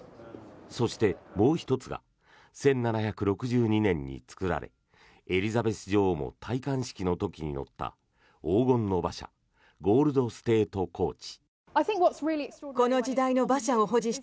そして、もう１つが１７６２年に作られエリザベス女王も戴冠式の時に乗った黄金の馬車ゴールド・ステート・コーチ。